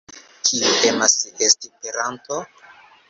Kiu emas esti peranto?